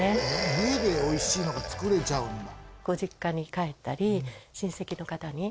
家でおいしいのが作れちゃうんだ。